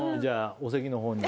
お席のほうに。